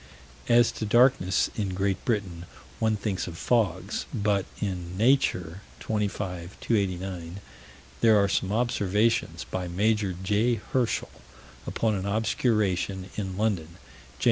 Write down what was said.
As to darknesses in Great Britain, one thinks of fogs but in Nature, 25 289, there are some observations by Major J. Herschel, upon an obscuration in London, Jan.